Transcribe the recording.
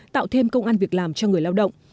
tạo thêm công an việc làm cho người lao động